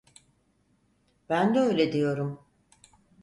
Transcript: Ben de öyle diyorum.